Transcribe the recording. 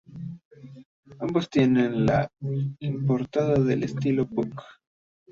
Ambos tienen la impronta del estilo Puuc.